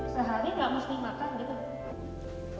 sehari nggak mesti makan gitu